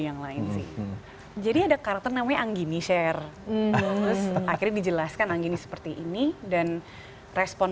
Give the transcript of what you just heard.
yang lain sih jadi ada karakter namanya angginie sher tr wetlife di jelas akan angginie illustrations seperti ini dan respon